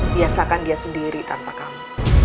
biasakan dia sendiri tanpa kamu